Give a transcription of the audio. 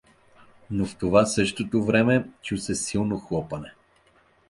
Но в това същото време чу се силно хлопане.